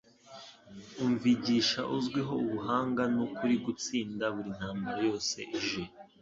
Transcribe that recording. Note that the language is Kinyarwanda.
Umvigisha uzwiho ubuhanga n'ukuri gutsinda buri ntambara yose ije.